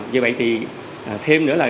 vì vậy thì thêm nữa là